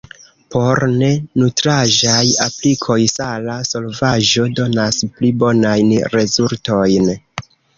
Por ne-nutraĵaj aplikoj sala solvaĵo donas pli bonajn rezultojn.